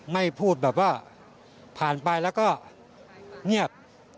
ไม่พูดแบบว่าผ่านไปแล้วก็เงียบ